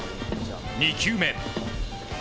２球目。